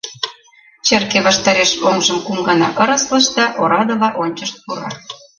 Черке ваштареш оҥжым кум гана ыреслыш да орадыла ончышт пура.